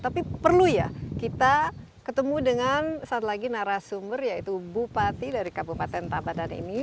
tapi perlu ya kita ketemu dengan satu lagi narasumber yaitu bupati dari kabupaten tabadan ini